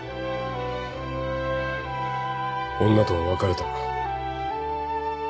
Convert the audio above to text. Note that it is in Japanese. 女とは別れた。